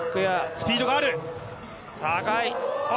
スピードがある！